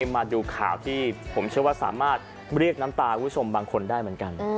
มาดูข่าวที่ผมเชื่อว่าสามารถเรียกน้ำตาคุณผู้ชมบางคนได้เหมือนกัน